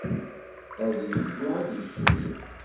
Ad yeddu ad yeccucef.